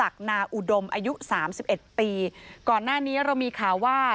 ค่ะ